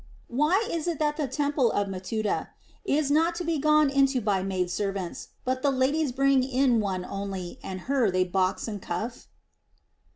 Why is it that the temple of Matuta is not to be gone into by maid servants ; but the ladies bring in one only, and her they box and cuff?